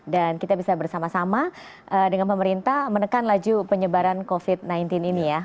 dan kita bisa bersama sama dengan pemerintah menekan laju penyebaran covid sembilan belas ini ya